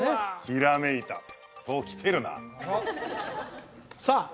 ひらめいたおっ来てるなさあ